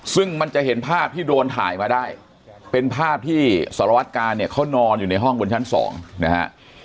ซึ่งมันจะเห็นภาพที่โดนถ่ายมาได้เป็นภาพที่สารวัตกาลเนี่ยเขานอนอยู่ในห้องบนชั้น๒นะฮะ